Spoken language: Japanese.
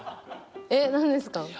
えっ何ですか？